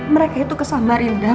mereka itu keselamatan rinda